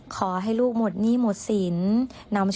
ขอให้ลูกหมดหนี้หมดสิน